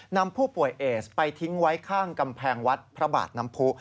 นำผู้ป่วยเอสไปทิ้งไว้ข้างกำแพงวัดพระบาทน้ำผู้